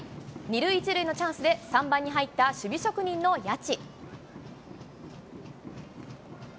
２塁１塁のチャンスで、３番に入った、守備職人の谷内。